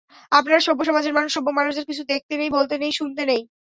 আপনারা সভ্য সমাজের মানুষ, সভ্য মানুষদের কিছু দেখতে নেই, বলতে নেই, শুনতে নেই।